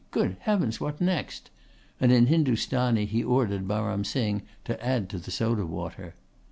Good heavens, what next!" and in Hindustani he ordered Baram Singh to add to the soda water.